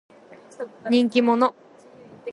人気者。